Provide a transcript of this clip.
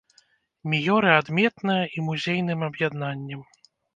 Міёры адметная і музейным аб'яднаннем.